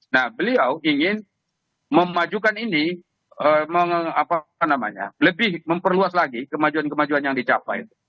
nah beliau ingin memajukan ini lebih memperluas lagi kemajuan kemajuan yang dicapai